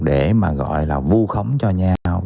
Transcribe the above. để mà gọi là vu khống cho nhau